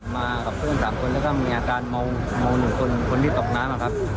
มากับเพื่อน๓คนแล้วก็มีอาการเมา๑คนคนที่ตกน้ำอะครับ